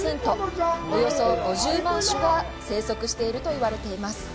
およそ５０万種が生息していると言われています。